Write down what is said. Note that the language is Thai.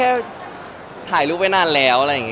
แล้วถ่ายละครมันก็๘๙เดือนอะไรอย่างนี้